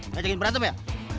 ngejegin berantem ya